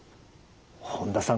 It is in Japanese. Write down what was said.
本田さん